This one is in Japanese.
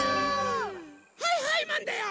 はいはいマンだよ！